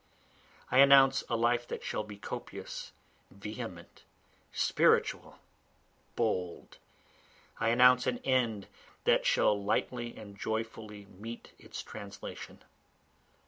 I announce a life that shall be copious, vehement, spiritual, bold, I announce an end that shall lightly and joyfully meet its translation.